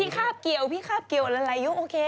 พี่ข้าบเกี่ยวพี่ข้าบเกี่ยวอะไรยุคโอเค